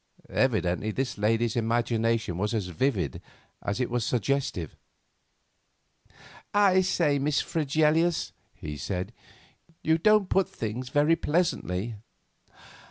Evidently this lady's imagination was as vivid as it was suggestive. "I say, Miss Fregelius," he said, "you don't put things very pleasantly."